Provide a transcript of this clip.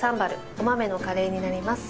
お豆のカレーになります。